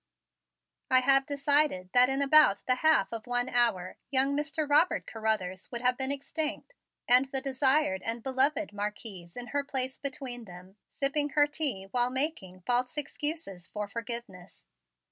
I have decided that in about the half of one hour young Mr. Robert Carruthers would have been extinct and the desired and beloved Marquise in her place between them sipping her tea while making false excuses for forgiveness.